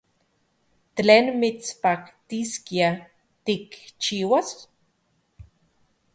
¿Tlen mitspaktiskia tikchiuas?